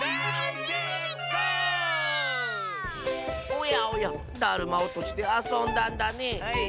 おやおやだるまおとしであそんだんだね。